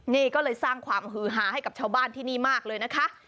นี่ก็เลยสร้างความฮือฮาให้กับชาวบ้านที่นี่มากเลยนะคะ